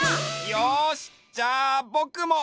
よしじゃあぼくも！